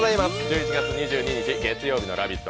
１１月２２日月曜日の「ラヴィット！」